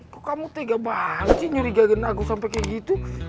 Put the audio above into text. kok kamu tega banget sih nyuriga gena aku sampe kayak gitu